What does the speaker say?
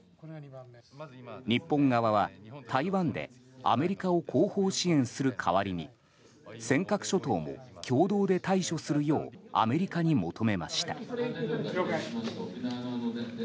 日本側は、台湾でアメリカを後方支援する代わりに尖閣諸島も共同で対処するようアメリカに求めました。